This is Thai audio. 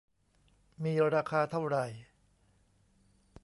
มีราคาเท่าไหร่